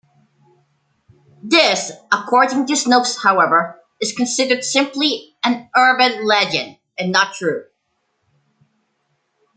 This, according to Snopes however, is considered simply an urban legend, and not true.